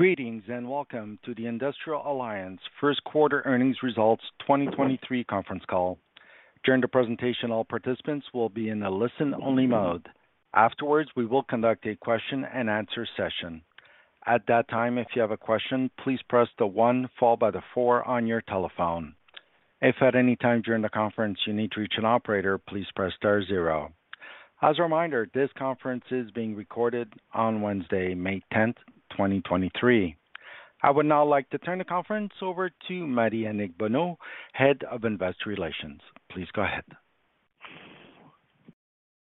Greetings, welcome to the Industrial Alliance first quarter earnings results 2023 conference call. During the presentation, all participants will be in a listen-only mode. Afterwards, we will conduct a question-and-answer session. At that time, if you have a question, please press the one followed by the four on your telephone. If at any time during the conference you need to reach an operator, please press star zero. As a reminder, this conference is being recorded on Wednesday, May 10th, 2023. I would now like to turn the conference over to Marie-Annick Bonneau, Head of Investor Relations. Please go ahead.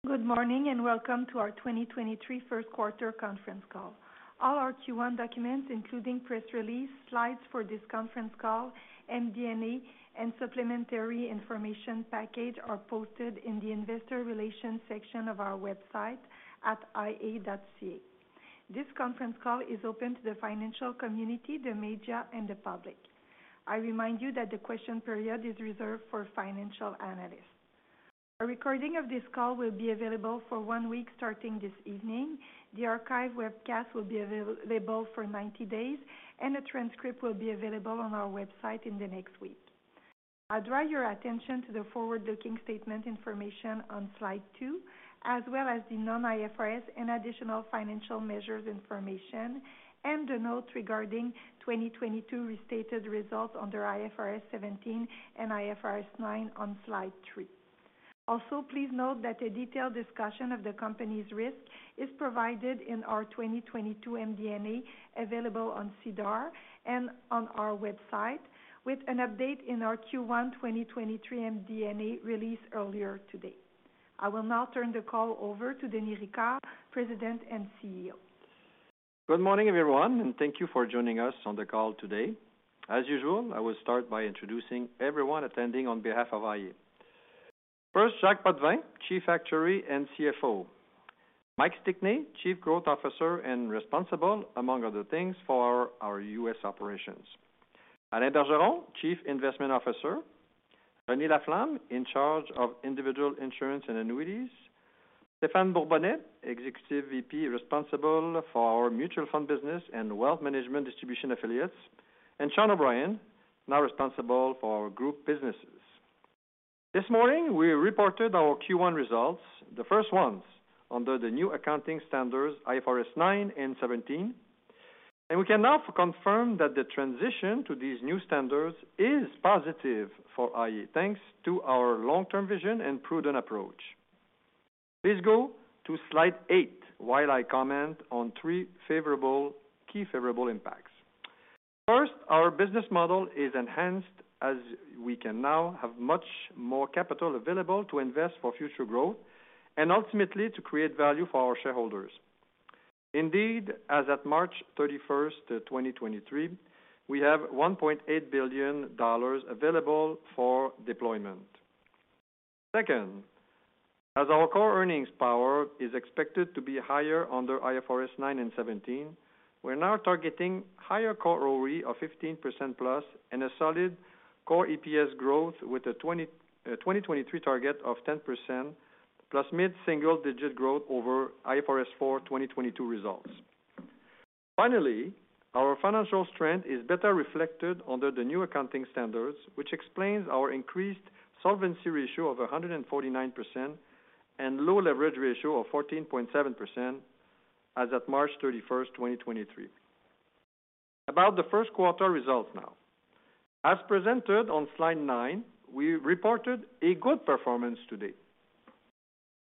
Good morning. Welcome to our 2023 first quarter conference call. All our Q1 documents, including press release, slides for this conference call, MD&A, and supplementary information package are posted in the investor relations section of our website at ia.ca. This conference call is open to the financial community, the media, and the public. I remind you that the question period is reserved for financial analysts. A recording of this call will be available for one week starting this evening. The archive webcast will be available for 90 days, and a transcript will be available on our website in the next week. I draw your attention to the forward-looking statement information on Slide 2, as well as the non-IFRS and additional financial measures information and the note regarding 2022 restated results under IFRS 17 and IFRS 9 on slide three. Please note that a detailed discussion of the company's risk is provided in our 2022 MD&A available on SEDAR and on our website, with an update in our Q1 2023 MD&A released earlier today. I will now turn the call over to Denis Ricard, President and CEO. Good morning, everyone, and thank you for joining us on the call today. As usual, I will start by introducing everyone attending on behalf of iA. First, Jacques Potvin, Chief Actuary and CFO. Mike Stickney, Chief Growth Officer and responsible, among other things, for our U.S. operations. Alain Bergeron, Chief Investment Officer. Renée Laflamme, in charge of Individual Insurance and Annuities. Stephan Bourbonnais, Executive VP responsible for our mutual fund business and wealth management distribution affiliates, and Sean O'Brien, now responsible for our group businesses. This morning, we reported our Q1 results, the first ones under the new accounting standards, IFRS 9 and 17, and we can now confirm that the transition to these new standards is positive for iA, thanks to our long-term vision and prudent approach. Please go to Slide 8 while I comment on three key favorable impacts. First, our business model is enhanced as we can now have much more capital available to invest for future growth and ultimately to create value for our shareholders. Indeed, as at March 31st, 2023, we have 1.8 billion dollars available for deployment. Second, as our core earnings power is expected to be higher under IFRS 9 and 17, we're now targeting higher core ROE of 15%+ and a solid core EPS growth with a 2023 target of 10%+ mid-single digit growth over IFRS 4 2022 results. Our financial strength is better reflected under the new accounting standards, which explains our increased solvency ratio of 149% and low leverage ratio of 14.7% as at March 31st, 2023. About the first quarter results now. As presented on Slide 9, we reported a good performance today.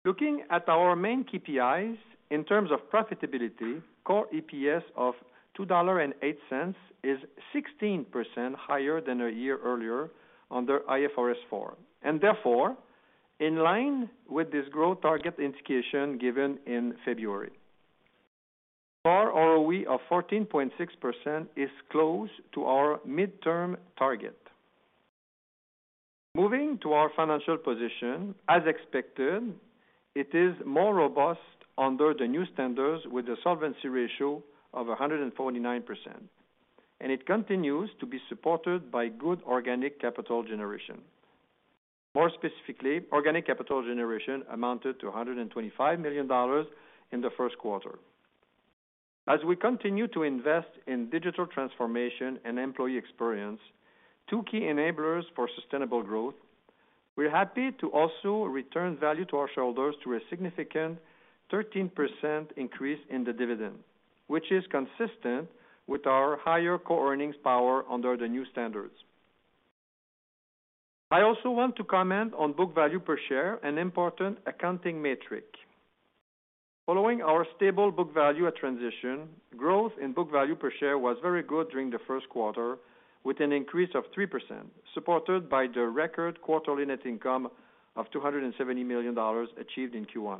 Looking at our main KPIs in terms of profitability, core EPS of 2.08 dollars is 16% higher than a year earlier under IFRS 4, and therefore, in line with this growth target indication given in February. Core ROE of 14.6% is close to our midterm target. Moving to our financial position. As expected, it is more robust under the new standards with a solvency ratio of 149%, and it continues to be supported by good organic capital generation. More specifically, organic capital generation amounted to 125 million dollars in the first quarter. As we continue to invest in digital transformation and employee experience, two key enablers for sustainable growth, we're happy to also return value to our shareholders through a significant 13% increase in the dividend, which is consistent with our higher core earnings power under the new standards. I also want to comment on book value per share, an important accounting metric. Following our stable book value at transition, growth in book value per share was very good during the first quarter, with an increase of 3%, supported by the record quarterly net income of 270 million dollars achieved in Q1.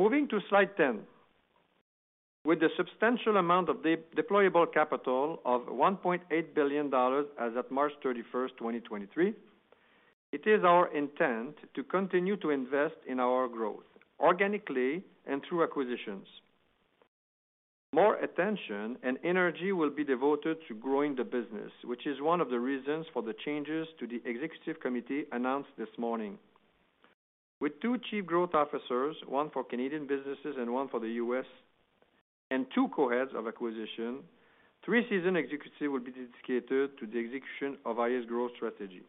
Moving to Slide 10. With the substantial amount of de-deployable capital of 1.8 billion dollars as of March 31st, 2023, it is our intent to continue to invest in our growth organically and through acquisitions. More attention and energy will be devoted to growing the business, which is one of the reasons for the changes to the executive committee announced this morning. With two Chief Growth Officers, one for Canadian businesses and one for the U.S., and two Co-Heads of Acquisition, three seasoned executives will be dedicated to the execution of iA's growth strategy.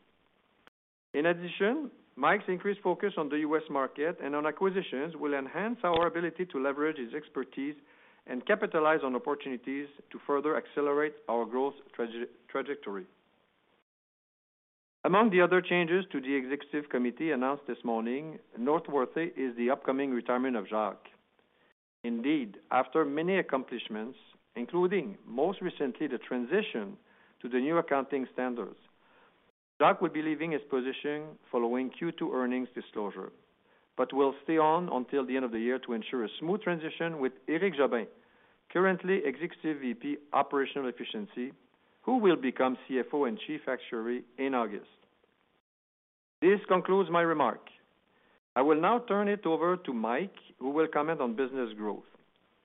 Mike's increased focus on the U.S. market and on acquisitions will enhance our ability to leverage his expertise and capitalize on opportunities to further accelerate our growth trajectory. Among the other changes to the executive committee announced this morning, noteworthy is the upcoming retirement of Jacques. After many accomplishments, including most recently, the transition to the new accounting standards, Jacques will be leaving his position following Q2 earnings disclosure, will stay on until the end of the year to ensure a smooth transition with Éric Jobin, currently Executive VP, Operational Efficiency, who will become CFO and Chief Actuary in August. This concludes my remark. I will now turn it over to Mike, who will comment on business growth.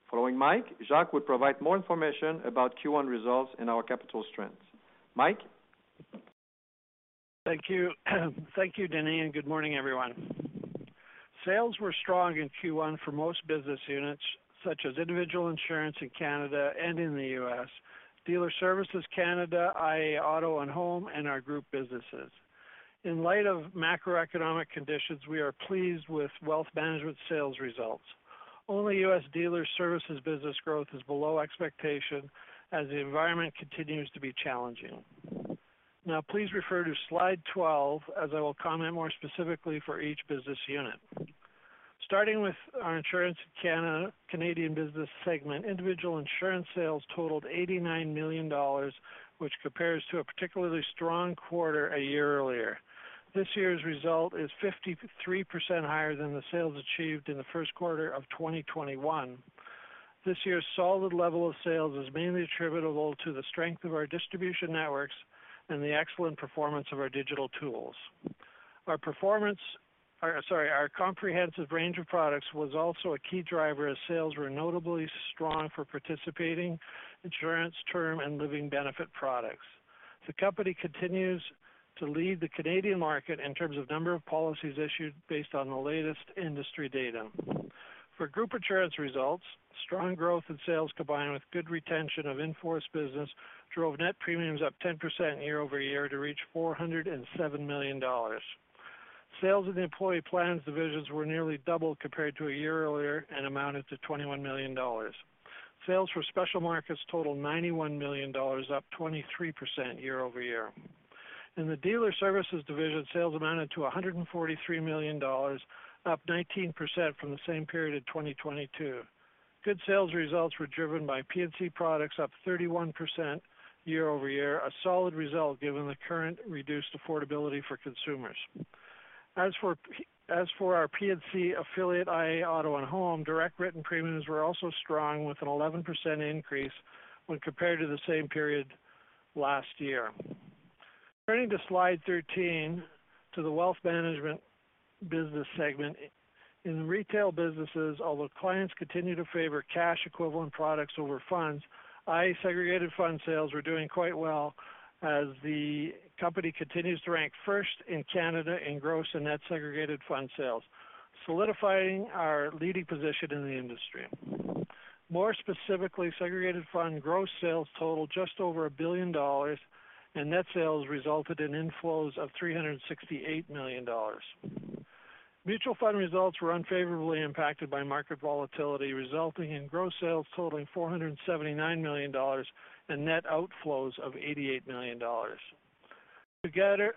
Following Mike, Jacques will provide more information about Q1 results and our capital strength. Mike? Thank you. Thank you, Denis, and good morning, everyone. Sales were strong in Q1 for most business units, such as individual insurance in Canada and in the U.S., dealer services Canada, iA Auto and Home, and our group businesses. In light of macroeconomic conditions, we are pleased with wealth management sales results. Only U.S. dealer services business growth is below expectation as the environment continues to be challenging. Please refer to Slide 12 as I will comment more specifically for each business unit. Starting with our insurance Canada, Canadian business segment, individual insurance sales totaled 89 million dollars, which compares to a particularly strong quarter a year earlier. This year's result is 53% higher than the sales achieved in the first quarter of 2021. This year's solid level of sales is mainly attributable to the strength of our distribution networks and the excellent performance of our digital tools. Our comprehensive range of products was also a key driver, as sales were notably strong for participating insurance term and living benefit products. The company continues to lead the Canadian market in terms of number of policies issued based on the latest industry data. Group insurance results, strong growth in sales combined with good retention of in-force business drove net premiums up 10% year-over-year to reach 407 million dollars. Sales in the employee plans divisions were nearly double compared to a year earlier and amounted to 21 million dollars. Sales for special markets totaled 91 million dollars, up 23% year-over-year. In the dealer services division, sales amounted to 143 million dollars, up 19% from the same period in 2022. Good sales results were driven by P&C products up 31% year-over-year, a solid result given the current reduced affordability for consumers. As for our P&C affiliate, iA Auto and Home, direct written premiums were also strong with an 11% increase when compared to the same period last year. Turning to Slide 13 to the wealth management business segment. In retail businesses, although clients continue to favor cash equivalent products over funds, iA segregated fund sales were doing quite well as the company continues to rank first in Canada in gross and net segregated fund sales, solidifying our leading position in the industry. More specifically, segregated fund gross sales totaled just over 1 billion dollars, and net sales resulted in inflows of 368 million dollars. Mutual fund results were unfavorably impacted by market volatility, resulting in gross sales totaling 479 million dollars and net outflows of 88 million dollars. Together,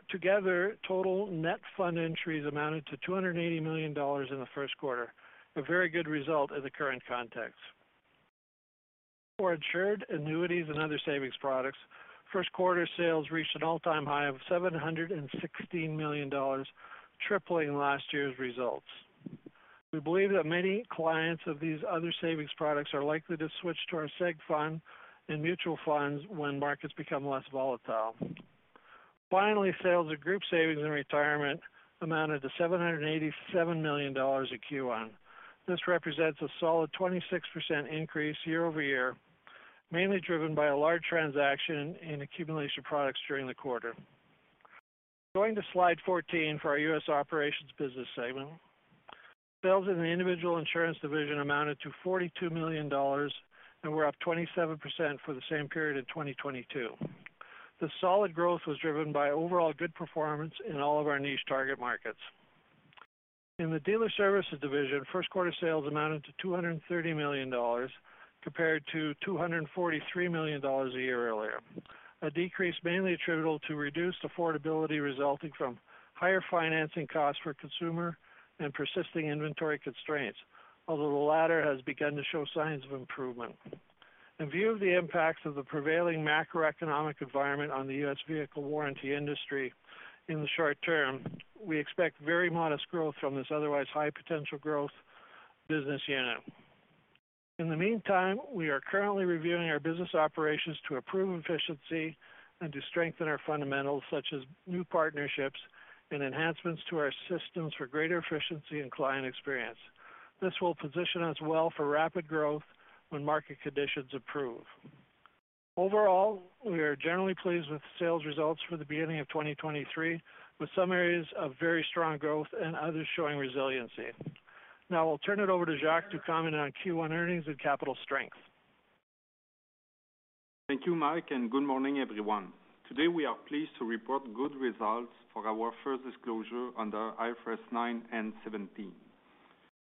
total net fund entries amounted to 280 million dollars in the first quarter, a very good result in the current context. For insured annuities and other savings products, first quarter sales reached an all-time high of 716 million dollars, tripling last year's results. We believe that many clients of these other savings products are likely to switch to our seg fund and mutual funds when markets become less volatile. Finally, sales of group savings and retirement amounted to 787 million dollars at Q1. This represents a solid 26% increase year-over-year, mainly driven by a large transaction in accumulation products during the quarter. Going to Slide 14 for our U.S. operations business segment. Sales in the individual insurance division amounted to $42 million and were up 27% for the same period in 2022. The solid growth was driven by overall good performance in all of our niche target markets. In the dealer services division, first quarter sales amounted to $230 million compared to $243 million a year earlier. A decrease mainly attributable to reduced affordability resulting from higher financing costs for consumer and persisting inventory constraints, although the latter has begun to show signs of improvement. In view of the impacts of the prevailing macroeconomic environment on the U.S. vehicle warranty industry in the short term, we expect very modest growth from this otherwise high potential growth business unit. In the meantime, we are currently reviewing our business operations to improve efficiency and to strengthen our fundamentals, such as new partnerships and enhancements to our systems for greater efficiency and client experience. This will position us well for rapid growth when market conditions improve. Overall, we are generally pleased with sales results for the beginning of 2023, with some areas of very strong growth and others showing resiliency. Now I'll turn it over to Jacques to comment on Q1 earnings and capital strength. Thank you, Mike, and good morning, everyone. Today, we are pleased to report good results for our first disclosure under IFRS 9 and 17.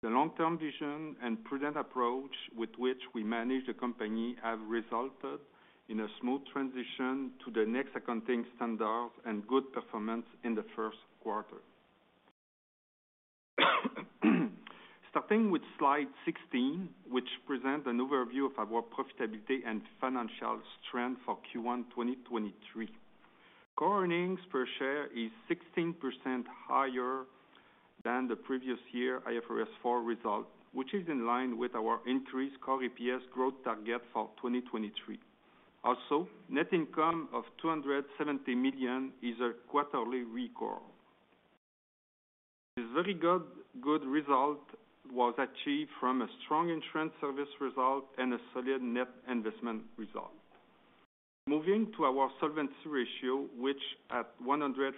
The long-term vision and prudent approach with which we manage the company have resulted in a smooth transition to the next accounting standards and good performance in the first quarter. Starting with Slide 16, which present an overview of our profitability and financial strength for Q1 2023. Core earnings per share is 16% higher than the previous year IFRS 4 result, which is in line with our increased core EPS growth target for 2023. Net income of 270 million is a quarterly record. This very good result was achieved from a strong insurance service result and a solid net investment result. Moving to our solvency ratio, which at 149%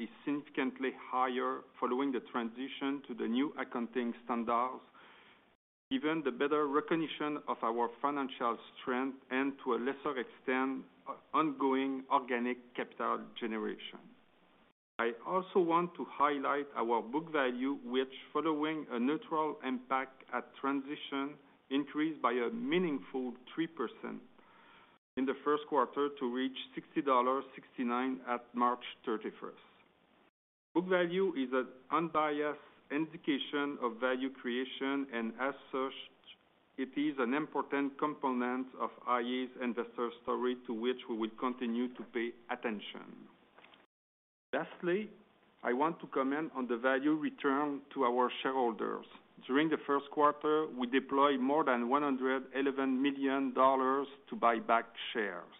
is significantly higher following the transition to the new accounting standards, given the better recognition of our financial strength and to a lesser extent, ongoing organic capital generation. I also want to highlight our book value, which following a neutral impact at transition, increased by a meaningful 3% in the first quarter to reach 60.69 dollars at March 31st. Book value is an unbiased indication of value creation, and as such, it is an important component of iA's investor story to which we will continue to pay attention. Lastly, I want to comment on the value returned to our shareholders. During the first quarter, we deployed more than 111 million dollars to buy back shares.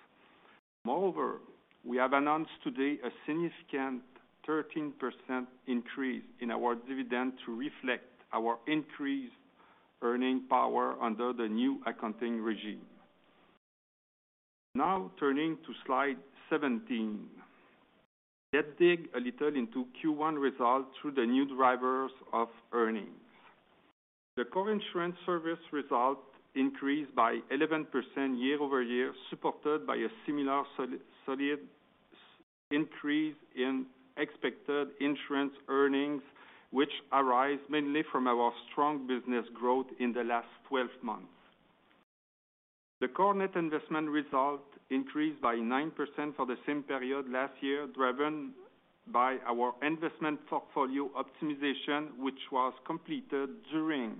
We have announced today a significant 13% increase in our dividend to reflect our increased earning power under the new accounting regime. Turning to Slide 17. Let's dig a little into Q1 results through the new drivers of earnings. The core insurance service result increased by 11% year-over-year, supported by a similar solid increase in expected insurance earnings, which arise mainly from our strong business growth in the last 12 months. The core net investment result increased by 9% for the same period last year, driven by our investment portfolio optimization, which was completed during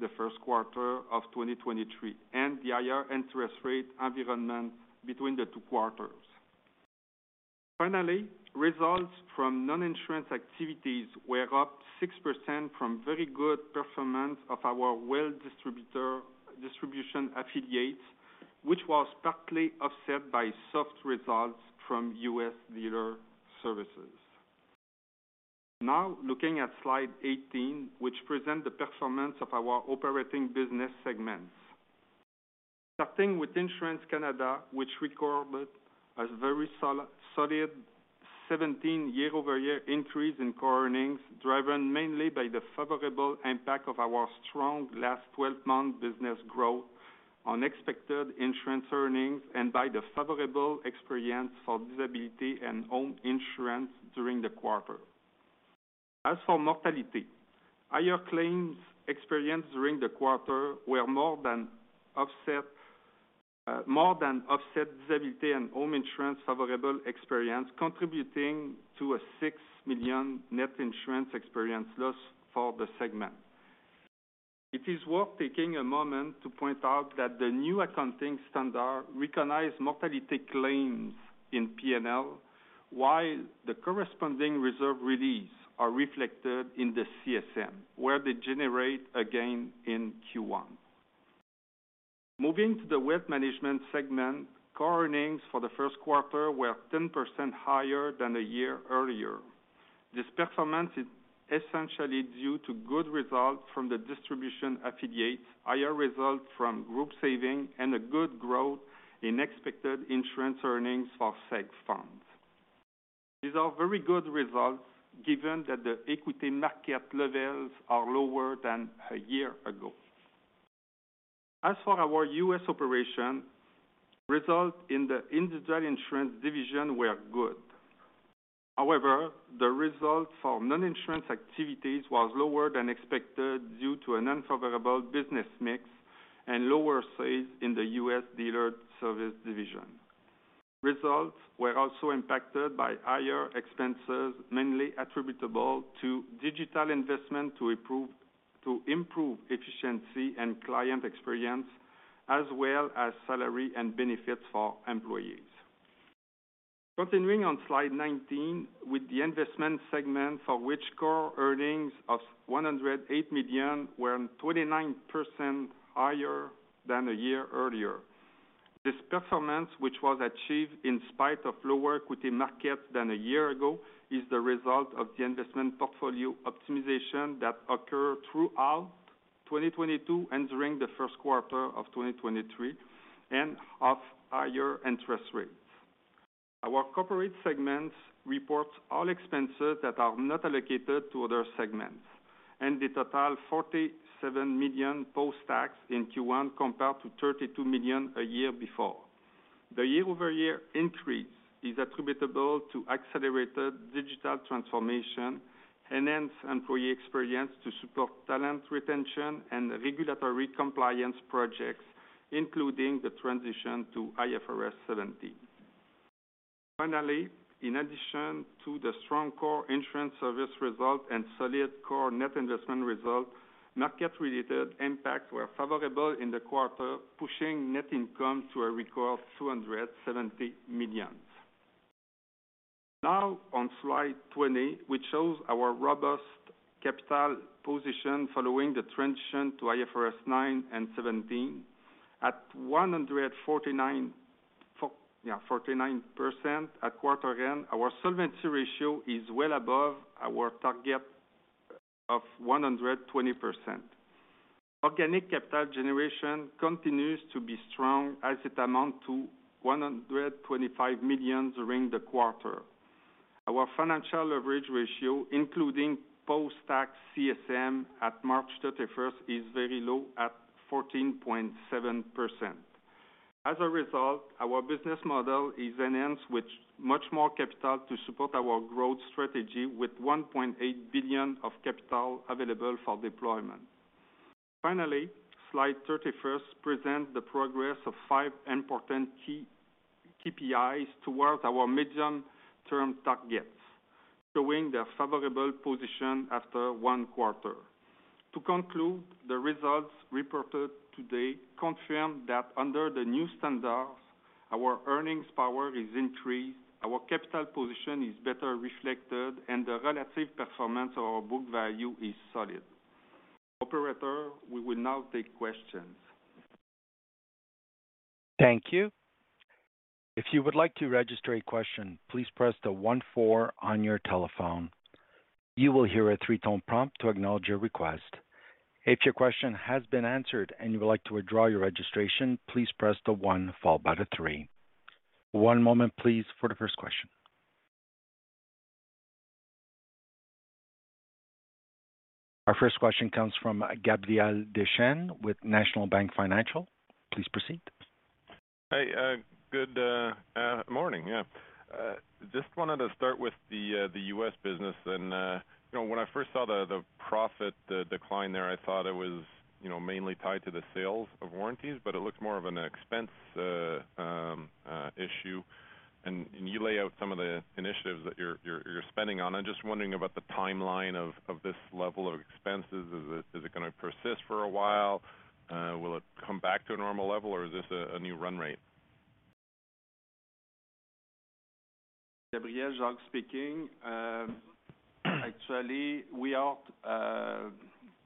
the first quarter of 2023, and the higher interest rate environment between the two quarters. Results from non-insurance activities were up 6% from very good performance of our wealth distribution affiliates, which was partly offset by soft results from U.S. dealer services. Now, looking at Slide 18, which present the performance of our operating business segments. Starting with Insurance Canada, which recorded a very solid 17% year-over-year increase in core earnings, driven mainly by the favorable impact of our strong last 12-month business growth on expected insurance earnings and by the favorable experience for disability and home insurance during the quarter. As for mortality, higher claims experienced during the quarter were more than offset disability and home insurance favorable experience, contributing to a 6 million net insurance experience loss for the segment. It is worth taking a moment to point out that the new accounting standard recognized mortality claims in P&L, while the corresponding reserve release are reflected in the CSM, where they generate a gain in Q1. Moving to the wealth management segment, core earnings for the first quarter were 10% higher than a year earlier. This performance is essentially due to good results from the distribution affiliates, higher results from group saving, and a good growth in expected insurance earnings for seg funds. These are very good results given that the equity market levels are lower than a year ago. As for our U.S. operation, results in the individual insurance division were good. The results for non-insurance activities was lower than expected due to an unfavorable business mix and lower sales in the U.S. dealer service division. Results were also impacted by higher expenses, mainly attributable to digital investment to improve efficiency and client experience, as well as salary and benefits for employees. Continuing on Slide 19 with the investment segment for which core earnings of 108 million were 29% higher than a year earlier. This performance, which was achieved in spite of lower equity markets than a year ago, is the result of the investment portfolio optimization that occurred throughout 2022 and during the first quarter of 2023 and of higher interest rates. Our corporate segments report all expenses that are not allocated to other segments and they total 47 million post-tax in Q1 compared to 32 million a year before. The year-over-year increase is attributable to accelerated digital transformation, enhanced employee experience to support talent retention and regulatory compliance projects, including the transition to IFRS 17. In addition to the strong core insurance service result and solid core net investment result, market-related impacts were favorable in the quarter, pushing net income to a record 270 million. On slide 20, we chose our robust capital position following the transition to IFRS 9 and IFRS 17. At 149% at quarter end, our solvency ratio is well above our target of 120%. Organic capital generation continues to be strong as it amount to 125 million during the quarter. Our financial leverage ratio, including post-tax CSM at March 31st, is very low at 14.7%. Our business model is enhanced with much more capital to support our growth strategy with 1.8 billion of capital available for deployment. Finally, Slide 31st present the progress of five important key, KPIs towards our medium-term targets, showing their favorable position after one quarter. To conclude, the results reported today confirm that under the new standards, our earnings power is increased, our capital position is better reflected, and the relative performance of our book value is solid. Operator, we will now take questions. Thank you. If you would like to register a question, please press the one, four on your telephone. You will hear a three-tone prompt to acknowledge your request. If your question has been answered and you would like to withdraw your registration, please press the one followed by the three. One moment please for the first question. Our first question comes from Gabriel Dechaine with National Bank Financial. Please proceed. Hey, good morning, yeah. Just wanted to start with the U.S. business and, you know, when I first saw the profit, the decline there, I thought it was, you know, mainly tied to the sales of warranties, but it looks more of an expense issue. You lay out some of the initiatives that you're spending on. I'm just wondering about the timeline of this level of expenses. Is it gonna persist for a while? Will it come back to a normal level or is this a new run rate? Gabriel, Jacques speaking. Actually, we are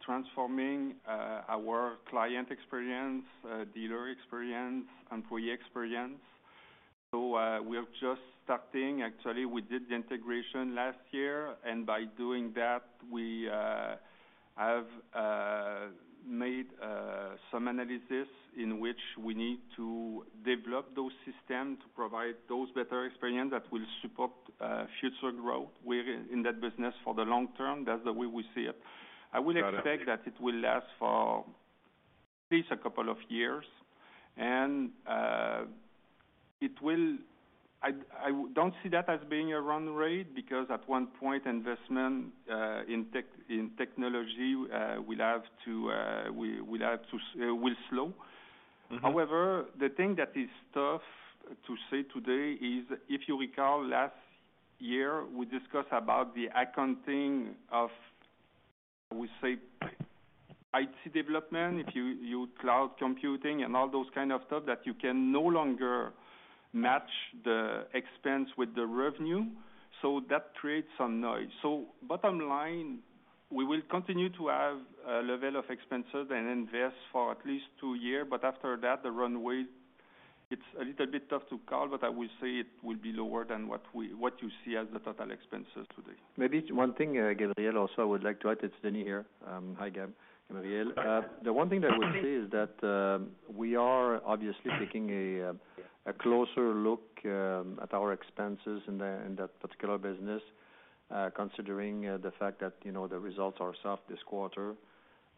transforming our client experience, dealer experience, employee experience. We are just starting. Actually, we did the integration last year, and by doing that we have made some analysis in which we need to develop those systems to provide those better experience that will support future growth. We're in that business for the long term. That's the way we see it. Got it. I would expect that it will last for at least 2 years, and I don't see that as being a run rate because at one point investment in technology will have to slow. However, the thing that is tough to say today is if you recall last year, we discussed about the accounting of IT development. If you use cloud computing and all those kind of stuff that you can no longer match the expense with the revenue, that creates some noise. Bottom line, we will continue to have a level of expenses and invest for at least two year, but after that, the runway, it's a little bit tough to call, but I will say it will be lower than what you see as the total expenses today. Maybe one thing, Gabriel, also I would like to add. It's Denis here. Hi Gabriel. The one thing that I would say is that we are obviously taking a closer look at our expenses in that particular business, considering the fact that, you know, the results are soft this quarter.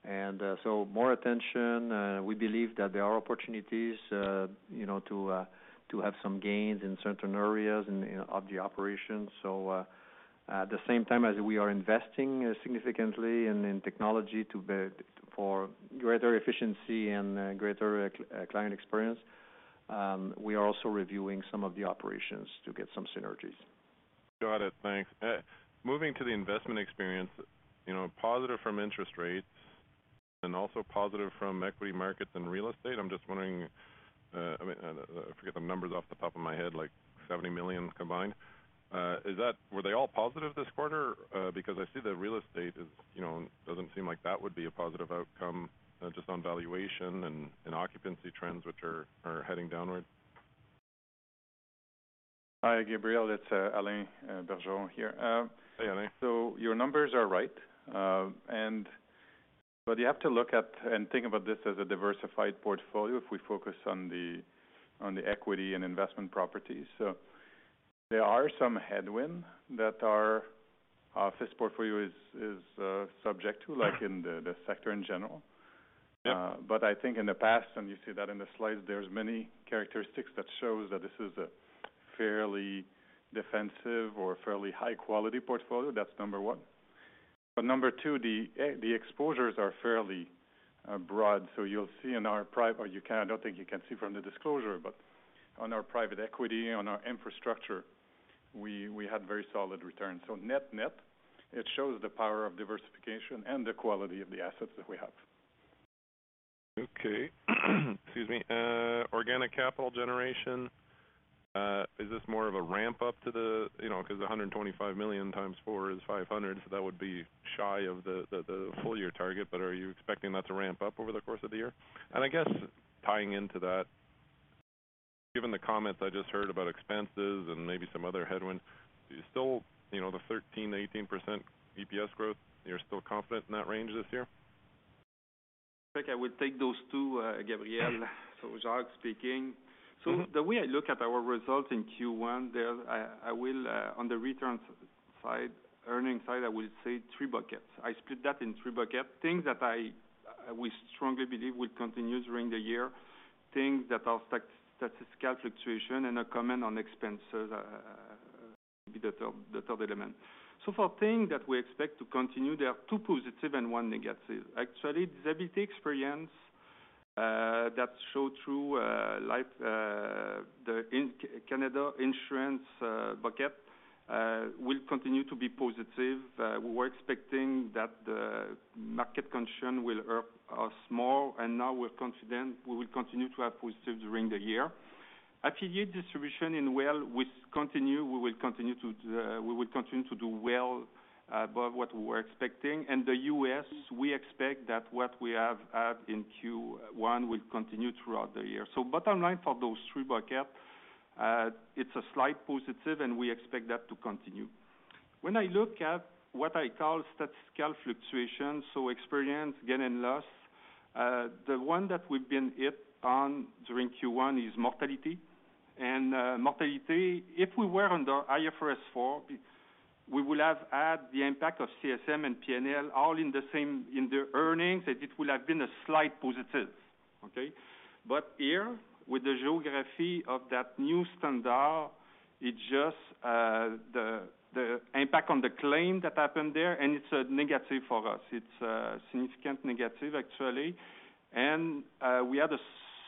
More attention. We believe that there are opportunities, you know, to have some gains in certain areas of the operations. At the same time as we are investing significantly in technology to build for greater efficiency and greater client experience, we are also reviewing some of the operations to get some synergies. Got it. Thanks. moving to the investment experience, you know, positive from interest rates and also positive from equity markets and real estate. I'm just wondering, I mean, I forget the numbers off the top of my head, like 70 million combined. Were they all positive this quarter? because I see the real estate is, you know, doesn't seem like that would be a positive outcome, just on valuation and occupancy trends which are heading downward. Hi, Gabriel. It's Alain Bergeron here. Hey, Alain. Your numbers are right. But you have to look at and think about this as a diversified portfolio if we focus on the, on the equity and investment properties. There are some headwind that our FIS portfolio is subject to, like in the sector in general. I think in the past, and you see that in the slides, there's many characteristics that shows that this is a fairly defensive or fairly high quality portfolio. That's number one. Number two, the exposures are fairly broad. You'll see, or you can, I don't think you can see from the disclosure, but on our private equity, on our infrastructure, we had very solid returns. Net-net, it shows the power of diversification and the quality of the assets that we have. Okay. Excuse me. organic capital generation, is this more of a ramp up to the you know, 'cause 125 million x 4 = 500 million, so that would be shy of the full-year target, but are you expecting that to ramp up over the course of the year? I guess tying into that, given the comments I just heard about expenses and maybe some other headwinds, you still, you know, the 13%-18% EPS growth, you're still confident in that range this year? I think I would take those two, Gabriel. Jacques speaking. The way I look at our results in Q1 there, I will on the return s-side, earning side, I will say three buckets. I split that in three bucket. Things that we strongly believe will continue during the year, things that are statistical fluctuation and a comment on expenses, be the third element. For thing that we expect to continue, there are two positive and one negative. Actually, disability experience that show through like the Canada insurance bucket will continue to be positive. We were expecting that the market concern will hurt us more, and now we're confident we will continue to have positive during the year. Affiliate distribution in Wealth will continue. We will continue to do well above what we were expecting. In the U.S., we expect that what we have had in Q1 will continue throughout the year. Bottom line for those three buckets, it's a slight positive, and we expect that to continue. When I look at what I call statistical fluctuation, so experience, gain and loss, the one that we've been hit on during Q1 is mortality. Mortality, if we were under IFRS 4, we will have had the impact of CSM and P&L all in the same, in the earnings, and it would have been a slight positive, okay? Here, with the geography of that new standard, it just the impact on the claim that happened there, and it's a negative for us. It's a significant negative actually. We had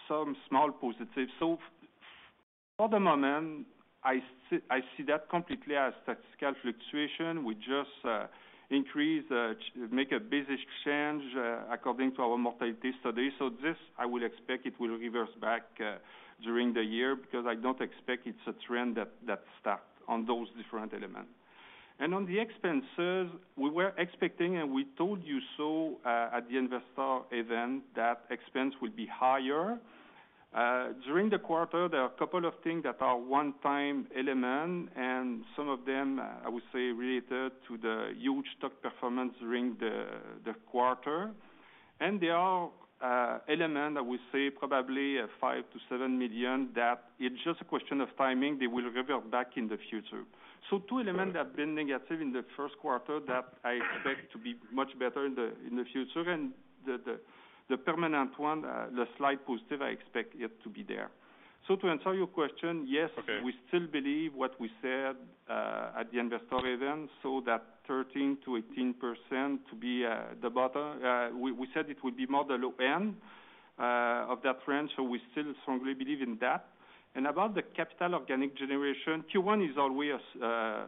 some small positive. For the moment, I see that completely as statistical fluctuation. We just increase, make a business change, according to our mortality study. This, I would expect it will reverse back during the year because I don't expect it's a trend that start on those different elements. On the expenses, we were expecting, and we told you so, at the investor event, that expense will be higher. During the quarter, there are a couple of things that are one-time element, and some of them, I would say, related to the huge stock performance during the quarter. There are element that we say probably 5 million-7 million that it's just a question of timing. They will revert back in the future. Two element that have been negative in the first quarter that I expect to be much better in the future. The permanent one, the slight positive, I expect it to be there. To answer your question, yes, we still believe what we said at the investor event, so that 13%-18% to be the bottom. We said it would be more the low end of that range, so we still strongly believe in that. About the capital organic generation, Q1 is always a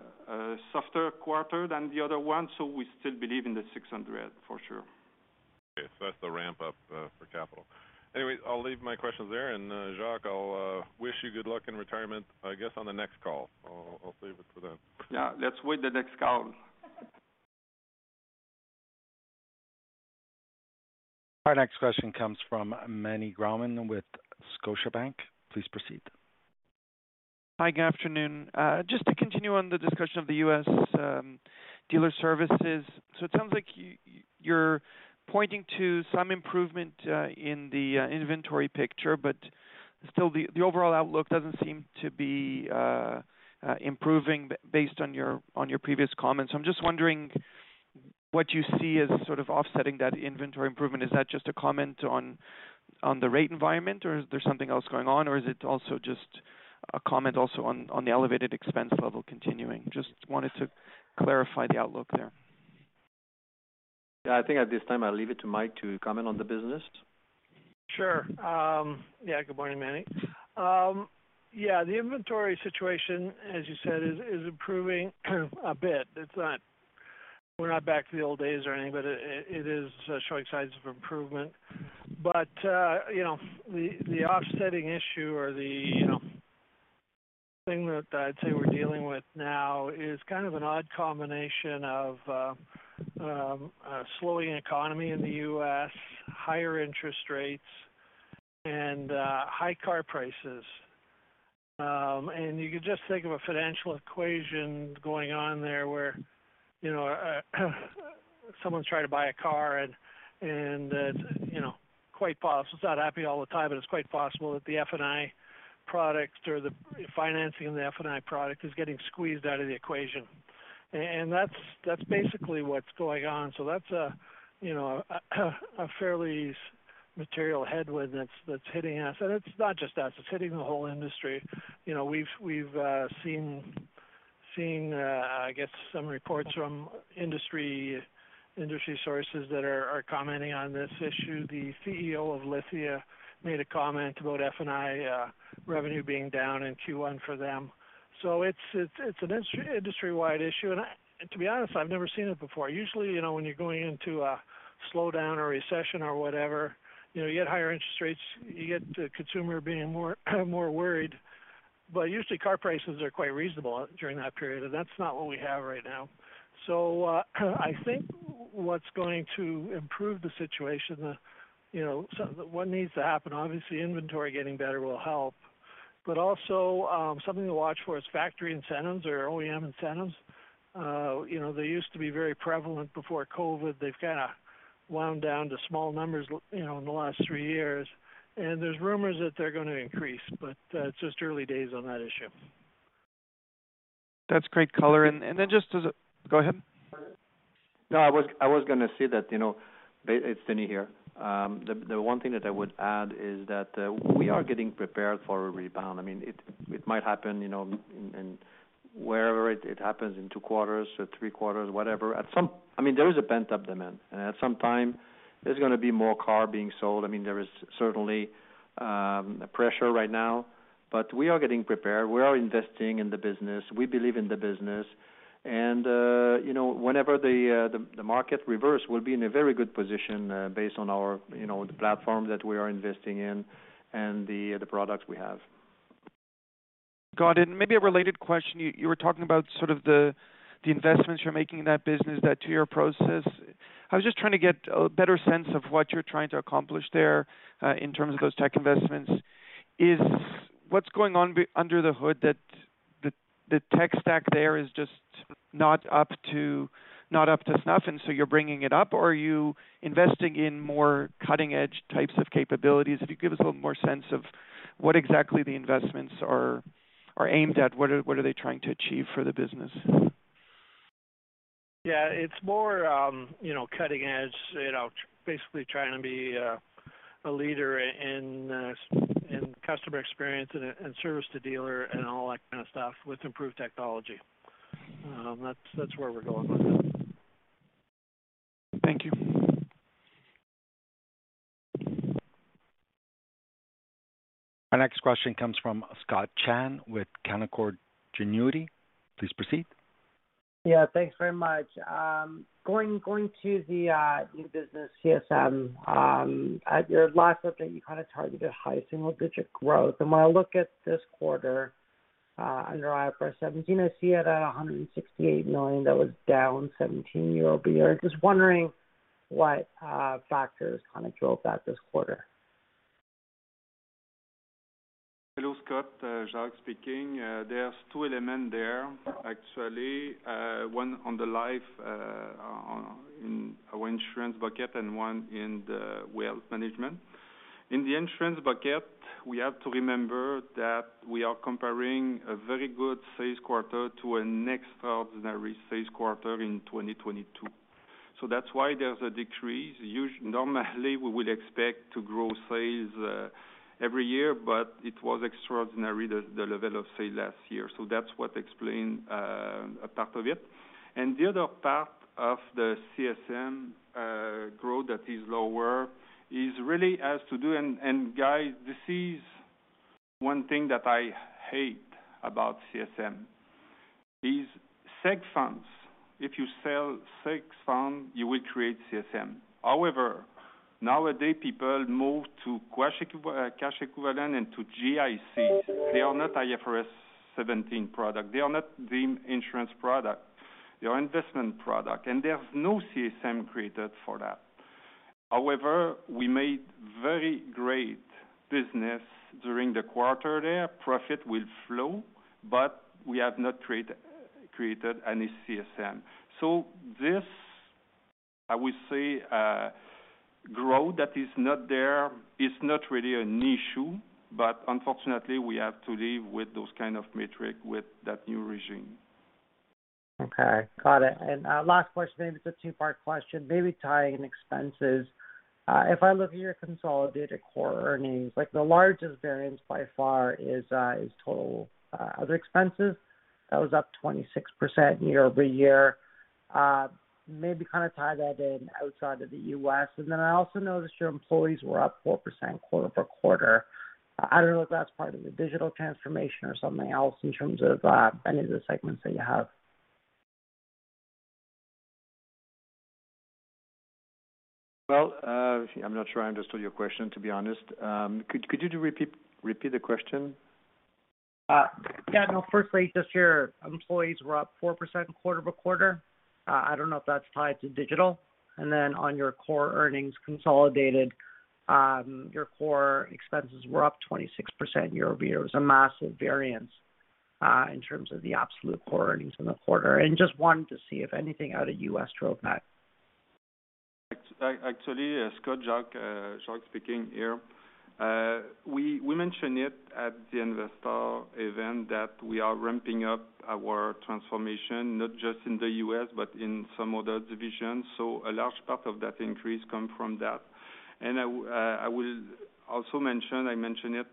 softer quarter than the other one, so we still believe in the 600 million for sure. Okay. That's the ramp up for capital. Anyway, I'll leave my questions there. Jacques, I'll wish you good luck in retirement, I guess, on the next call. I'll save it for then. Yeah. Let's wait the next call. Our next question comes from Meny Grauman with Scotiabank. Please proceed. Hi, good afternoon. Just to continue on the discussion of the U.S. dealer services. It sounds like you're pointing to some improvement in the inventory picture, but still the overall outlook doesn't seem to be improving based on your previous comments. I'm just wondering what you see as sort of offsetting that inventory improvement. Is that just a comment on the rate environment, or is there something else going on? Is it also just a comment also on the elevated expense level continuing? Just wanted to clarify the outlook there. I think at this time, I'll leave it to Mike to comment on the business. Sure. Yeah, good morning, Meny. Yeah, the inventory situation, as you said, is improving a bit. It's not, we're not back to the old days or anything, but it is showing signs of improvement. You know, the offsetting issue or the, you know, thing that I'd say we're dealing with now is kind of an odd combination of a slowing economy in the U.S., higher interest rates and high car prices. You could just think of a financial equation going on there where, you know, someone's trying to buy a car and, you know, it's not happening all the time, but it's quite possible that the F&I product or the financing in the F&I product is getting squeezed out of the equation. That's, that's basically what's going on. That's a, you know, a fairly material headwind that's hitting us. It's not just us, it's hitting the whole industry. You know, we've seen I guess some reports from industry sources that are commenting on this issue. The CEO of Lithia made a comment about F&I revenue being down in Q1 for them. It's an industry-wide issue. I to be honest, I've never seen it before. Usually, you know, when you're going into a slowdown or recession or whatever, you know, you get higher interest rates, you get the consumer being more worried. Usually car prices are quite reasonable during that period, and that's not what we have right now. I think what's going to improve the situation, you know, what needs to happen, obviously inventory getting better will help. Something to watch for is factory incentives or OEM incentives. You know, they used to be very prevalent before COVID. They've kind of wound down to small numbers, you know, in the last three years. There's rumors that they're going to increase, but it's just early days on that issue. That's great color. Then Go ahead. No, I was gonna say that, you know, it's Denis here. The one thing that I would add is that we are getting prepared for a rebound. I mean, it might happen, you know, in wherever it happens, in two quarters or three quarters, whatever. I mean, there is a pent-up demand, and at some time there's gonna be more car being sold. I mean, there is certainly pressure right now. We are getting prepared. We are investing in the business. We believe in the business. You know, whenever the market reverse, we'll be in a very good position, based on our, you know, the platform that we are investing in and the products we have. Got it. Maybe a related question. You were talking about sort of the investments you're making in that business, that two-year process. I was just trying to get a better sense of what you're trying to accomplish there, in terms of those tech investments. Is what's going on under the hood that the tech stack there is just not up to snuff, and so you're bringing it up? Or are you investing in more cutting-edge types of capabilities? If you could give us a little more sense of what exactly the investments are aimed at, what are they trying to achieve for the business? Yeah, it's more, you know, cutting edge, you know, basically trying to be a leader in customer experience and service to dealer and all that kind of stuff with improved technology. That's where we're going with that. Thank you. Our next question comes from Scott Chan with Canaccord Genuity. Please proceed. Yeah, thanks very much. going to the new business CSM, at your last update, you kind of targeted high-single-digit growth. When I look at this quarter, under IFRS 17, I see it at 168 million. That was down 17% year-over-year. Just wondering what factors kinda drove that this quarter. Hello, Scott. Jacques speaking. There's two element there actually, one on the life, on, in our insurance bucket and one in the wealth management. In the insurance bucket, we have to remember that we are comparing a very good sales quarter to an extraordinary sales quarter in 2022. That's why there's a decrease. normally we would expect to grow sales every year, but it was extraordinary the level of sale last year. That's what explain a part of it. The other part of the CSM growth that is lower is really has to do— Guys, this is one thing that I hate about CSM, is seg funds. If you sell seg fund, you will create CSM. However, nowadays, people move to cash equivalent and to GICs. They are not IFRS 17 product. They are not the insurance product. They are investment product. There's no CSM created for that. However, we made very great business during the quarter there. Profit will flow. We have not created any CSM. This, I would say, growth that is not there is not really an issue. Unfortunately, we have to live with those kind of metric with that new regime. Okay, got it. Last question, maybe it's a two-part question, maybe tying expenses. If I look at your consolidated core earnings, like the largest variance by far is total other expenses. That was up 26% year-over-year. Maybe kinda tie that in outside of the U.S. Then I also noticed your employees were up 4% quarter-over-quarter. I don't know if that's part of the digital transformation or something else in terms of any of the segments that you have. Well, I'm not sure I understood your question, to be honest. Could you just repeat the question? Yeah, no. Firstly, just your employees were up 4% quarter-by-quarter. I don't know if that's tied to digital. Then on your core earnings consolidated, your core expenses were up 26% year-over-year. It was a massive variance in terms of the absolute core earnings in the quarter. Just wanted to see if anything out of U.S. drove that? Actually, Scott, Jacques speaking here. We mentioned it at the investor event that we are ramping up our transformation, not just in the U.S., but in some other divisions. A large part of that increase come from that. I will also mention, I mentioned it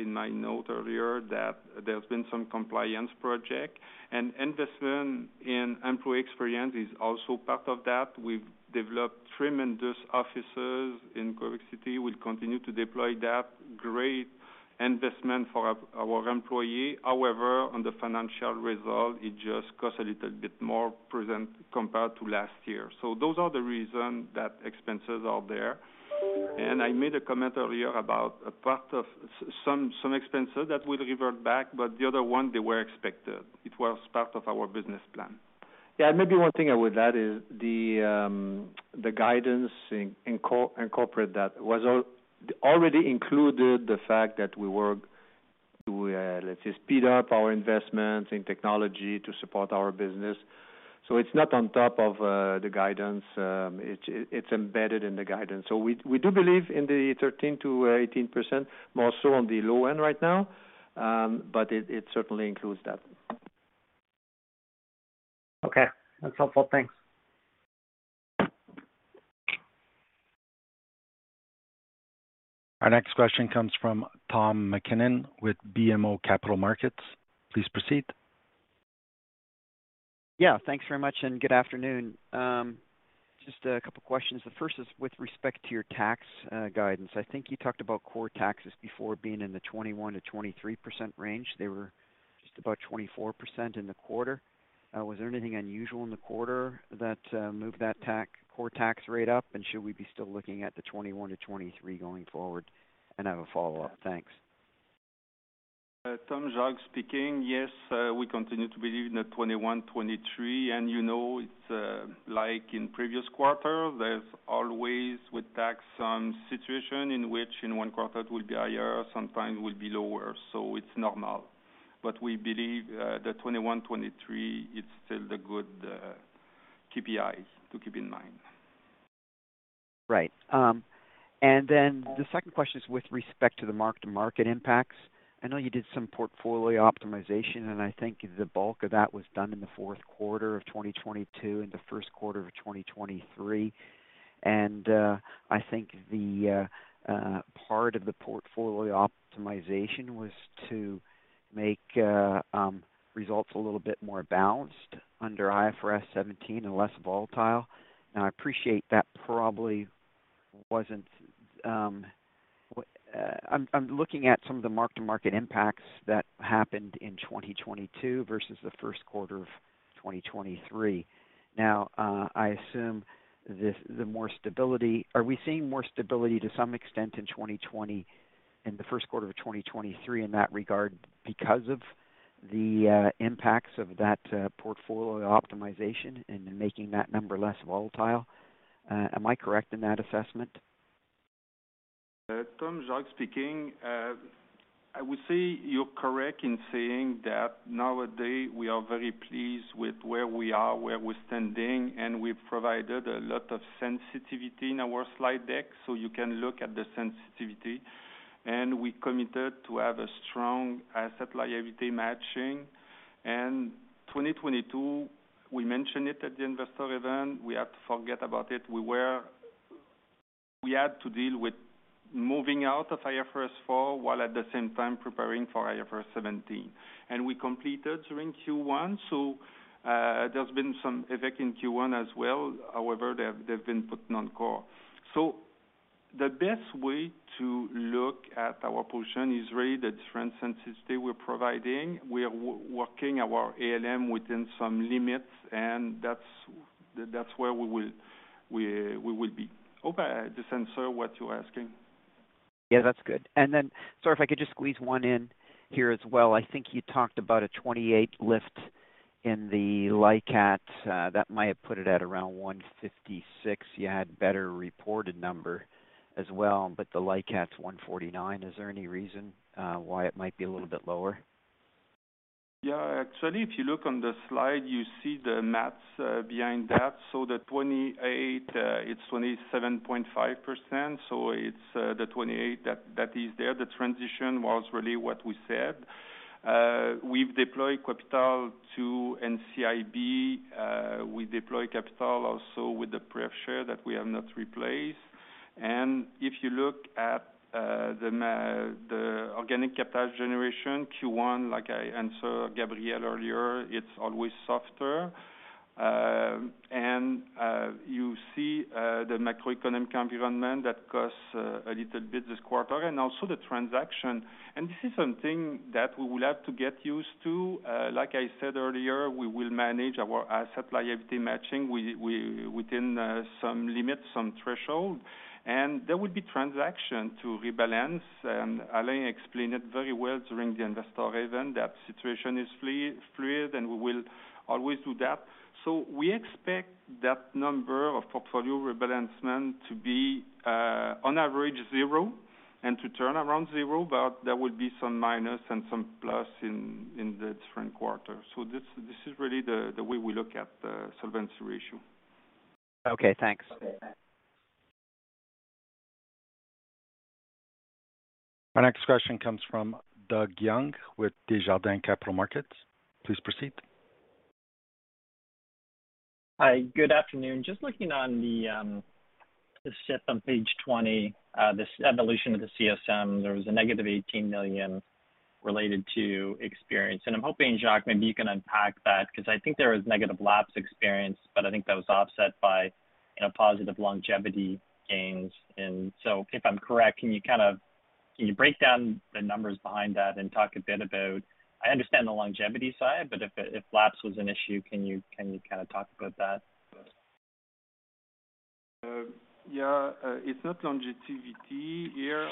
in my note earlier, that there's been some compliance project and investment in employee experience is also part of that. We've developed tremendous offices in Quebec City. We'll continue to deploy that great investment for our employee. However, on the financial result, it just costs a little bit more present compared to last year. Those are the reason that expenses are there. I made a comment earlier about a part of some expenses that will revert back, but the other one, they were expected. It was part of our business plan. Yeah. Maybe one thing I would add is the guidance incorporate that was already included the fact that we were to, let's say, speed up our investments in technology to support our business. It's not on top of the guidance. It, it's embedded in the guidance. We, we do believe in the 13%-18% more so on the low end right now. It, it certainly includes that. Okay, that's helpful. Thanks. Our next question comes from Tom MacKinnon with BMO Capital Markets. Please proceed. Yeah, thanks very much, good afternoon. Just two questions. The first is with respect to your tax guidance. I think you talked about core taxes before being in the 21%-23% range. They were just about 24% in the quarter. Was there anything unusual in the quarter that moved that core tax rate up, and should we be still looking at the 21%-23% going forward? I have a follow-up. Thanks. Tom, Jacques speaking. Yes, we continue to believe in the 21%-23%. You know, it's, like in previous quarter, there's always with tax some situation in which in one quarter it will be higher, sometimes will be lower, so it's normal. We believe, the 21%-23%, it's still the good, KPIs to keep in mind. Right. The second question is with respect to the mark-to-market impacts. I know you did some portfolio optimization, and I think the bulk of that was done in the fourth quarter of 2022 and the first quarter of 2023. I think the part of the portfolio optimization was to make results a little bit more balanced under IFRS 17 and less volatile. Now, I appreciate that probably wasn't. I'm looking at some of the mark-to-market impacts that happened in 2022 versus the first quarter of 2023. Now, I assume the more stability. Are we seeing more stability to some extent in the first quarter of 2023 in that regard because of the impacts of that portfolio optimization and making that number less volatile? Am I correct in that assessment? Tom, Jacques speaking. I would say you're correct in saying that nowadays we are very pleased with where we are, where we're standing, and we've provided a lot of sensitivity in our slide deck, so you can look at the sensitivity. We committed to have a strong asset liability matching. 2022, we mentioned it at the investor event. We have to forget about it. We had to deal with moving out of IFRS 4 while at the same time preparing for IFRS 17. We completed during Q1, so there's been some effect in Q1 as well. However, they've been put non-core. The best way to look at our position is really the different sensitivity we're providing. We are working our ALM within some limits, and that's where we will be. Hope I just answer what you're asking. Yeah, that's good. Sorry, if I could just squeeze one in here as well. I think you talked about a 28 lift in the LICAT. That might have put it at around 156%. You had better reported number as well, but the LICAT's 149%. Is there any reason why it might be a little bit lower? Actually, if you look on the slide, you see the math behind that. So the 28, it's 27.5%. So it's the 28 that is there. The transition was really what we said. We've deployed capital to NCIB. We deploy capital also with the pref share that we have not replaced. If you look at the organic capital generation Q1, like I answered Gabriel earlier, it's always softer. And you see the macroeconomic environment that costs a little bit this quarter and also the transaction. This is something that we will have to get used to. Like I said earlier, we will manage our asset liability matching within some limits, some threshold, and there will be transaction to rebalance. Alain explained it very well during the investor event, that situation is fluid, and we will always do that. We expect that number of portfolio rebalancement, to be on average zero and to turn around zeo, but there will be some minus and some plus in the different quarters. This is really the way we look at the solvency ratio. Okay, thanks. Our next question comes from Doug Young with Desjardins Capital Markets. Please proceed. Hi, good afternoon. Just looking on the set on page 20, this evolution of the CSM, there was a negative $18 million related to experience. I'm hoping, Jacques, maybe you can unpack that because I think there was negative lapse experience, but I think that was offset by, you know, positive longevity gains. If I'm correct, can you break down the numbers behind that and talk a bit about. I understand the longevity side, but if lapse was an issue, can you kind of talk about that? Yeah, it's not longevity here.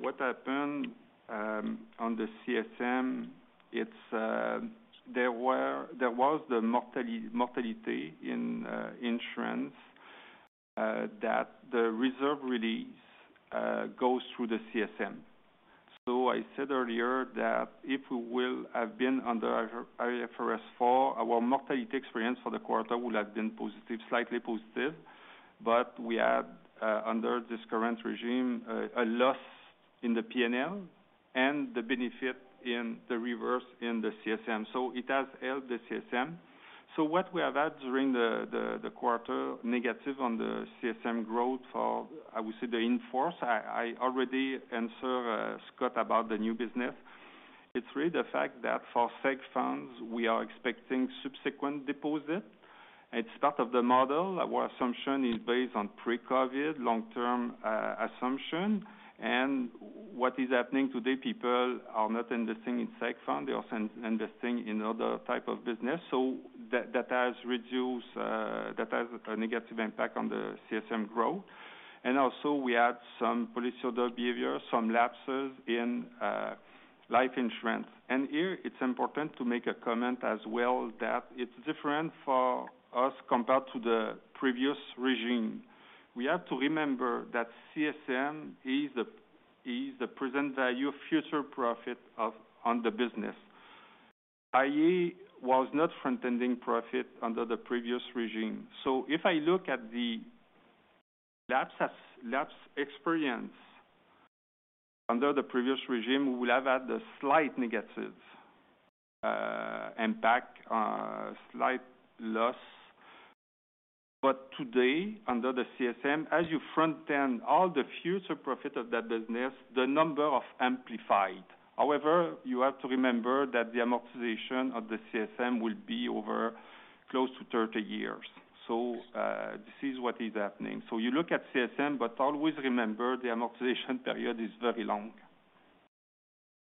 What happened on the CSM, it's there was mortality in insurance that the reserve release goes through the CSM. I said earlier that if we will have been under IFRS 4, our mortality experience for the quarter would have been positive, slightly positive. We had under this current regime, a loss in the P&L and the benefit in the reverse in the CSM. It has helped the CSM. What we have had during the quarter negative on the CSM growth for, I would say, the in-force, I already answered Scott about the new business. It's really the fact that for seg funds, we are expecting subsequent deposit. It's part of the model. Our assumption is based on pre-COVID long-term assumption. What is happening today, people are not investing in seg fund, they are investing in other type of business. That, that has reduced, that has a negative impact on the CSM growth. Also we had some policyholder behavior, some lapses in life insurance. Here it's important to make a comment as well that it's different for us compared to the previous regime. We have to remember that CSM is the present value future profit of, on the business, i.e., was not front-ending profit under the previous regime. If I look at the lapse experience under the previous regime, we would have had a slight negative impact, a slight loss. Today, under the CSM, as you front-end all the future profit of that business, the number of amplified. You have to remember that the amortization of the CSM will be over close to 30 years. This is what is happening. You look at CSM, but always remember the amortization period is very long.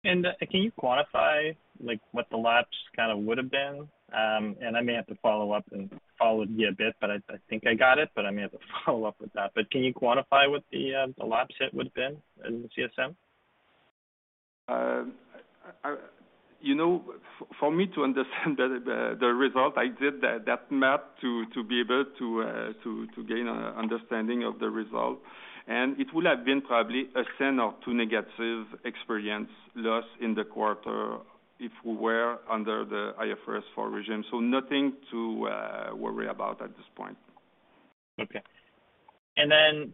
Can you quantify, like, what the lapse kind of would have been? I may have to follow up and follow you a bit, but I think I got it, but I may have to follow up with that. can you quantify what the lapse hit would have been in the CSM? You know, for me to understand the result, I did that math to be able to gain an understanding of the result. It would have been probably a $0.01 or $0.02 negative experience loss in the quarter if we were under the IFRS 4 regime. Nothing to worry about at this point. Okay.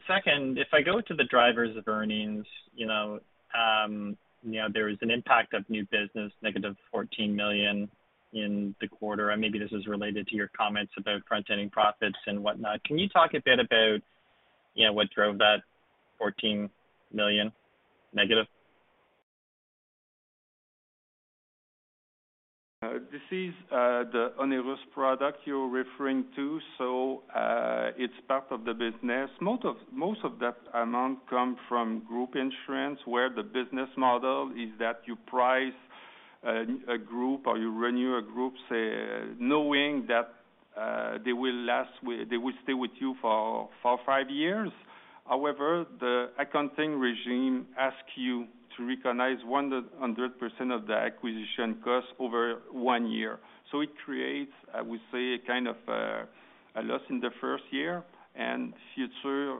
Second, if I go to the drivers of earnings, you know, you know, there is an impact of new business, -14 million in the quarter, and maybe this is related to your comments about front-ending profits and whatnot. Can you talk a bit about, you know, what drove that -14 million? This is the onerous product you're referring to. It's part of the business. Most of that amount come from group insurance, where the business model is that you price a group or you renew a group, say, knowing that they will stay with you for five years. However, the accounting regime asks you to recognize 100% of the acquisition cost over one year. It creates, I would say, a kind of a loss in the first year and future,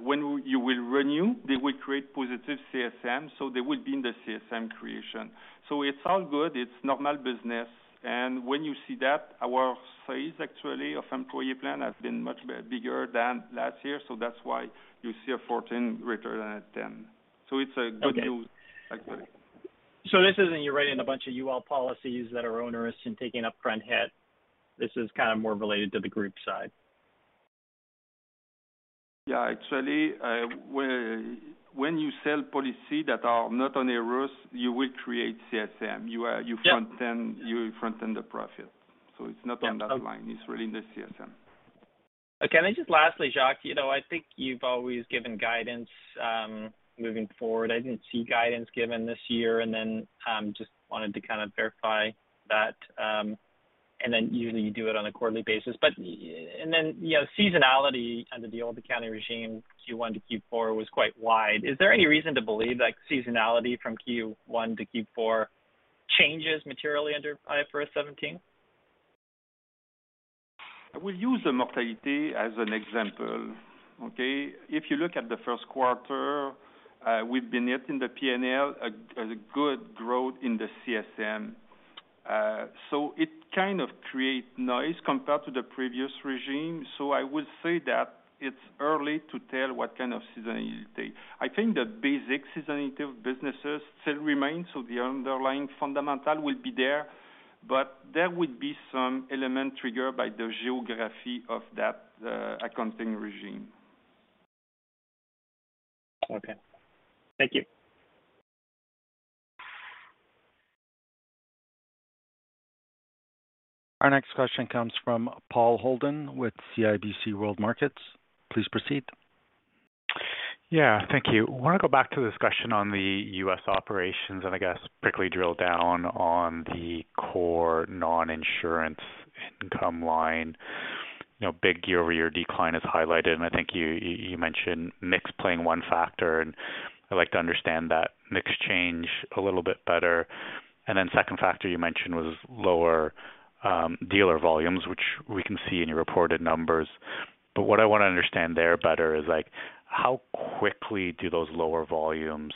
when you will renew, they will create positive CSM, so they will be in the CSM creation. It's all good. It's normal business. When you see that, our size actually of employee plan has been much bigger than last year. That's why you see a 14 greater than a 10. It's a good news actually. This isn't you're writing a bunch of UL policies that are onerous and taking up front hit. This is kind of more related to the group side. Yeah, actually, when you sell policy that are not onerous, you will create CSM. Yeah. You front-end the profit. It's not on that line, it's really in the CSM. Okay. Just lastly, Jacques, you know, I think you've always given guidance moving forward. I didn't see guidance given this year and then, just wanted to kind of verify that. Usually you do it on a quarterly basis. And then, you know, seasonality under the old accounting regime, Q1 to Q4 was quite wide. Is there any reason to believe that seasonality from Q1 to Q4 changes materially under IFRS 17? I will use the mortality as an example. Okay. If you look at the first quarter, we've been hitting the P&L as a good growth in the CSM. It kind of create noise compared to the previous regime. I would say that it's early to tell what kind of seasonality. I think the basic seasonality of businesses still remains, so the underlying fundamental will be there, but there would be some element triggered by the geography of that accounting regime. Okay. Thank you. Our next question comes from Paul Holden with CIBC World Markets. Please proceed. Yeah, thank you. I wanna go back to the discussion on the U.S. operations, I guess particularly drill down on the core non-insurance income line. You know, big year-over-year decline is highlighted, and I think you mentioned mix playing one factor, and I'd like to understand that mix change a little bit better. Second factor you mentioned was lower dealer volumes, which we can see in your reported numbers. What I wanna understand there better is like how quickly do those lower volumes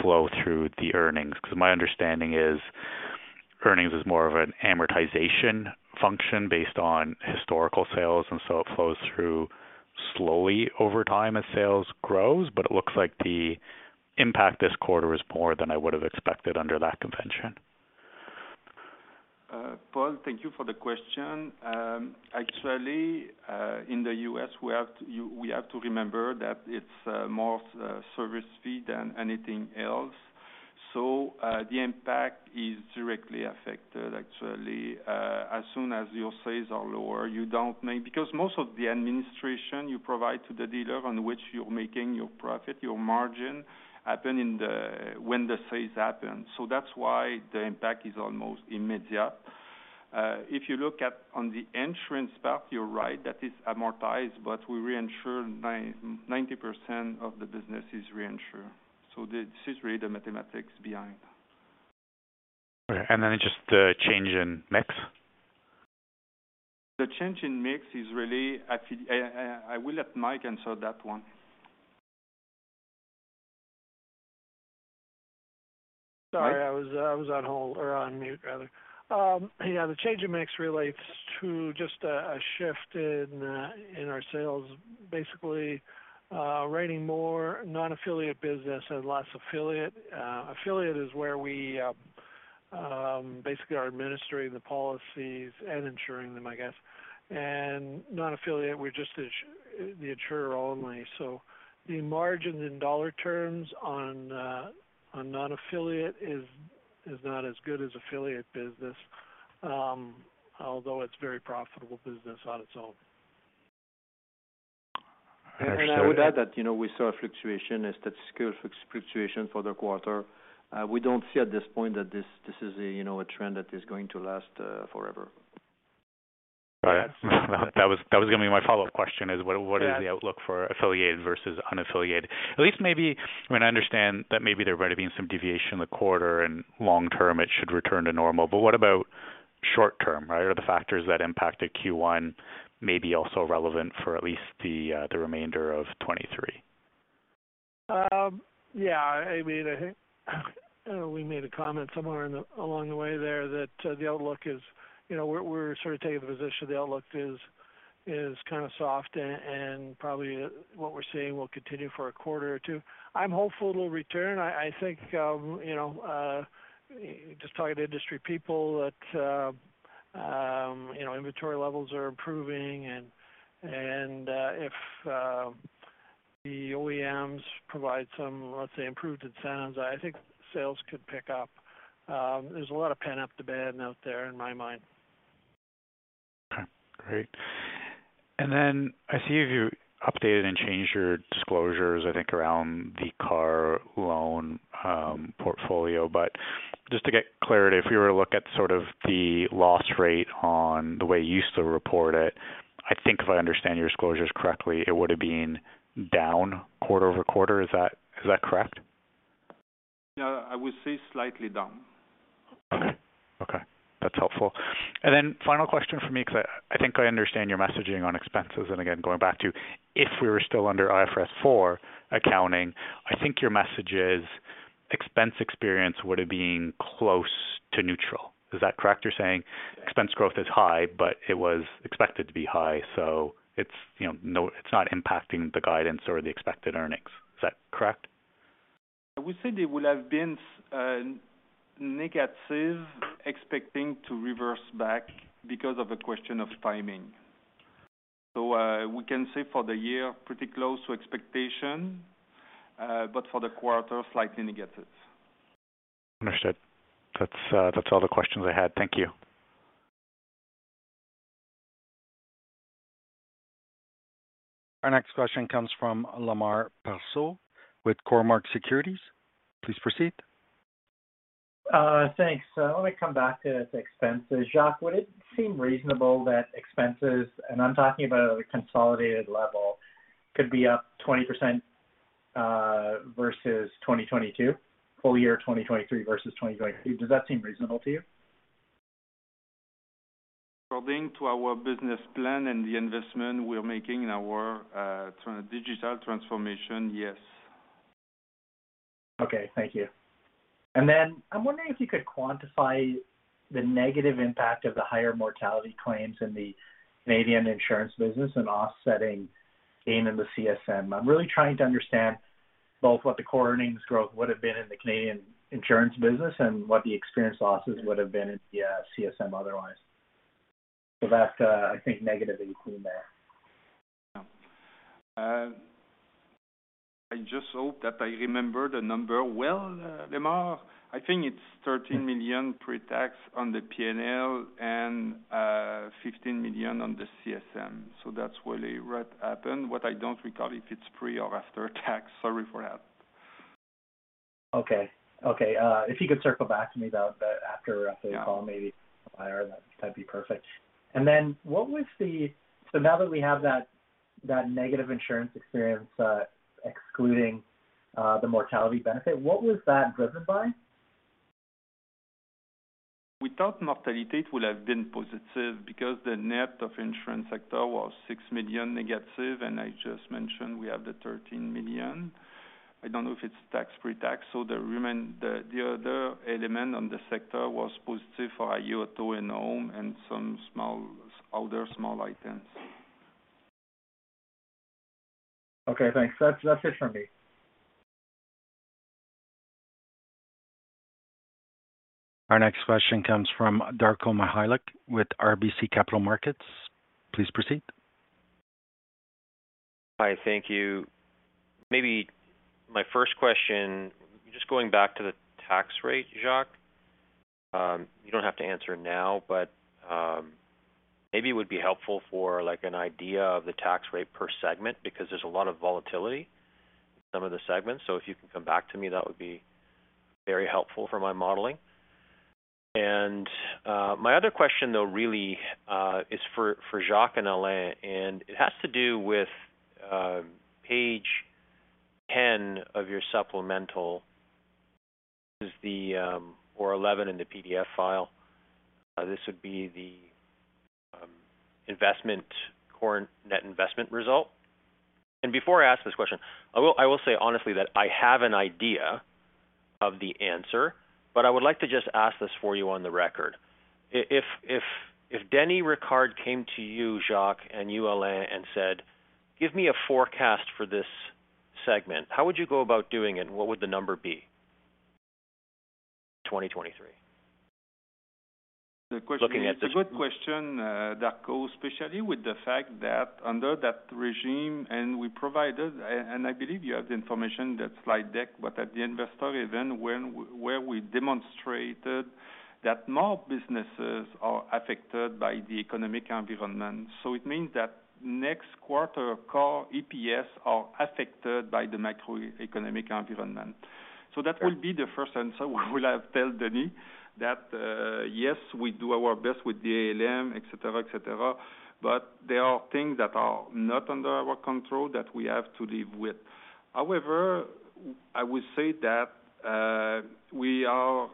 flow through the earnings? My understanding is earnings is more of an amortization function based on historical sales. It flows through slowly over time as sales grows. It looks like the impact this quarter is more than I would have expected under that convention. Paul, thank you for the question. Actually, in the U.S., we have to remember that it's more service fee than anything else. The impact is directly affected actually. As soon as your sales are lower, you don't make— Because most of the administration you provide to the dealer on which you're making your profit, your margin happen when the sales happen. That's why the impact is almost immediate. If you look at on the insurance part, you're right that is amortized, but we reinsure 90% of the business is reinsured. This is really the mathematics behind. Okay. Just the change in mix. The change in mix is really— actually, I will let Mike answer that one. Sorry, I was on hold or on mute, rather. Yeah, the change in mix relates to just a shift in our sales. Basically, writing more non-affiliate business and less affiliate. Affiliate is where we basically are administering the policies and insuring them, I guess. Non-affiliate, we're just the insurer only. The margins in dollar terms on non-affiliate is not as good as affiliate business, although it's very profitable business on its own. I would add that, you know, we saw a fluctuation, a statistical fluctuation for the quarter. We don't see at this point that this is a, you know, a trend that is going to last forever. Got it. That was gonna be my follow-up question is what is the outlook for affiliated versus unaffiliated? At least maybe when I understand that maybe there might have been some deviation in the quarter and long term it should return to normal. What about short term, right? Are the factors that impacted Q1 maybe also relevant for at least the remainder of 2023? Yeah, I mean, I think we made a comment somewhere along the way there that the outlook is, you know, we're sort of taking the position the outlook is kind of soft and probably what we're seeing will continue for a quarter or two. I'm hopeful it'll return. I think, you know, just talking to industry people that, you know, inventory levels are improving and, if the OEMs provide some, let's say, improved incentives, I think sales could pick up. There's a lot of pent-up demand out there in my mind. Okay, great. I see you've updated and changed your disclosures, I think, around the car loan portfolio. Just to get clarity, if we were to look at sort of the loss rate on the way you used to report it, I think if I understand your disclosures correctly, it would have been down quarter-over-quarter. Is that correct? Yeah, I would say slightly down. Okay. Okay, that's helpful. Then final question for me, ’cause I think I understand your messaging on expenses. Again, going back to if we were still under IFRS 4 accounting, I think your message is expense experience would have been close to neutral. Is that correct? You're saying expense growth is high, but it was expected to be high, so it's, you know, it's not impacting the guidance or the expected earnings. Is that correct? I would say they will have been negative, expecting to reverse back because of a question of timing. We can say for the year, pretty close to expectation, but for the quarter, slightly negative. Understood. That's, that's all the questions I had. Thank you. Our next question comes from Lemar Persaud with Cormark Securities. Please proceed. Thanks. Let me come back to the expenses. Jacques, would it seem reasonable that expenses, and I'm talking about a consolidated level, could be up 20%, versus 2022, full year 2023 versus 2022? Does that seem reasonable to you? According to our business plan and the investment we're making in our digital transformation, yes. Okay, thank you. I'm wondering if you could quantify the negative impact of the higher mortality claims in the Canadian insurance business and offsetting gain in the CSM. I'm really trying to understand both what the core earnings growth would have been in the Canadian insurance business and what the experience losses would have been at the CSM otherwise. That's, I think, negatively clean there. Yeah. I just hope that I remember the number well, Lemar. I think it's 13 million pre-tax on the P&L and 15 million on the CSM. That's really what happened, what I don't recall if it's pre or after-tax. Sorry for that. Okay. Okay, if you could circle back to me about the after the call, maybe IR, that'd be perfect. Now that we have that negative insurance experience, excluding the mortality benefit, what was that driven by? Without mortality, it would have been positive because the net of insurance sector was -6 million. I just mentioned we have the 13 million. I don't know if it's taxed, pre-tax. The other element on the sector was positive for iA Auto and Home and some small, other small items. Okay, thanks. That's it for me. Our next question comes from Darko Mihelic with RBC Capital Markets. Please proceed. Hi. Thank you. Maybe my first question, just going back to the tax rate, Jacques. You don't have to answer now, but maybe it would be helpful for an idea of the tax rate per segment, because there's a lot of volatility in some of the segments. If you can come back to me, that would be very helpful for my modeling. My other question, though, really, is for Jacques and Alain, and it has to do with page 10 of your supplemental. This is the, or 11 in the PDF file. This would be the investment, core net investment result. Before I ask this question, I will say honestly that I have an idea of the answer, but I would like to just ask this for you on the record. If Denis Ricard came to you, Jacques, and you, Alain, and said, "Give me a forecast for this segment," how would you go about doing it and what would the number be? 2023. Looking at— It's a good question, Darko Mihelic, especially with the fact that under that regime, and we provided, and I believe you have the information, that slide deck, but at the investor event where we demonstrated that more businesses are affected by the economic environment. It means that next quarter core EPS are affected by the macroeconomic environment. That will be the first answer we'll tell Denis that, yes, we do our best with the ALM, et cetera, et cetera, but there are things that are not under our control that we have to live with. However, I would say that we are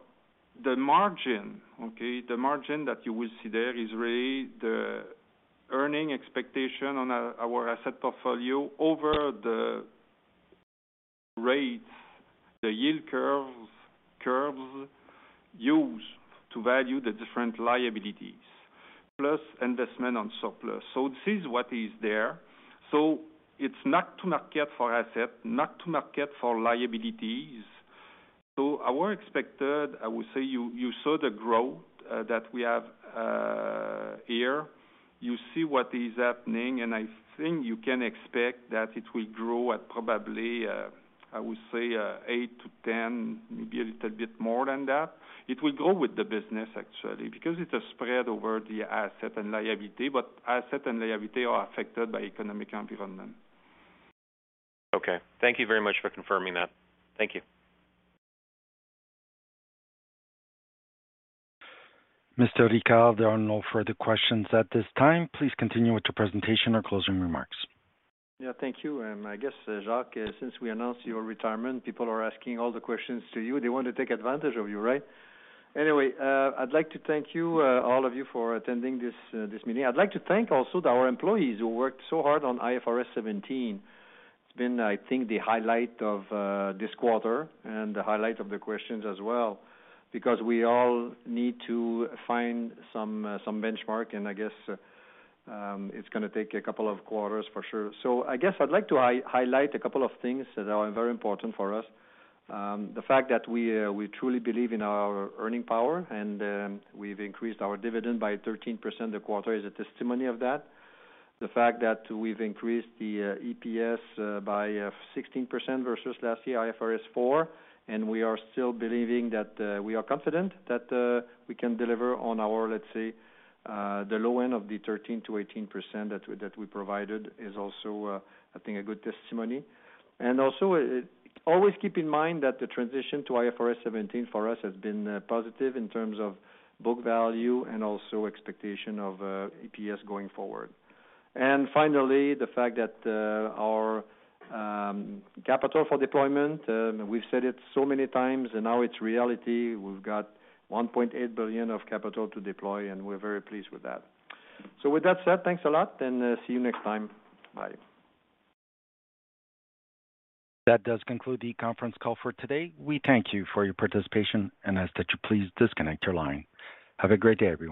the margin, okay, the margin that you will see there is really the earning expectation on our asset portfolio over the rates, the yield curves used to value the different liabilities, plus investment on surplus. This is what is there. It's not to market for asset, not to market for liabilities. Our expected, I would say you saw the growth that we have here. You see what is happening, and I think you can expect that it will grow at probably, I would say, 8%-10%, maybe a little bit more than that. It will grow with the business actually, because it's a spread over the asset and liability. Asset and liability are affected by economic environment. Okay. Thank you very much for confirming that. Thank you. Mr. Ricard, there are no further questions at this time. Please continue with your presentation or closing remarks. Yeah, thank you. I guess, Jacques, since we announced your retirement, people are asking all the questions to you. They want to take advantage of you, right? Anyway, I'd like to thank you, all of you for attending this meeting. I'd like to thank also our employees who worked so hard on IFRS 17. It's been, I think, the highlight of this quarter and the highlight of the questions as well, because we all need to find some benchmark, and I guess it's gonna take a couple of quarters for sure. I guess I'd like to highlight a couple of things that are very important for us. The fact that we truly believe in our earning power and we've increased our dividend by 13% this quarter is a testimony of that. The fact that we've increased the EPS by 16% versus last year IFRS 4, and we are still believing that we are confident that we can deliver on our, let's say, the low end of the 13%-18% that we provided is also, I think, a good testimony. Always keep in mind that the transition to IFRS 17 for us has been positive in terms of book value and also expectation of EPS going forward. Finally, the fact that our capital for deployment, we've said it so many times and now it's reality. We've got 1.8 billion of capital to deploy, and we're very pleased with that. With that said, thanks a lot and see you next time. Bye. That does conclude the conference call for today. We thank you for your participation and ask that you please disconnect your line. Have a great day, everyone.